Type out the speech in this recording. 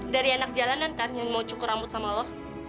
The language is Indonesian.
dari anak jalanan kan yang mau cukur rambut sama lo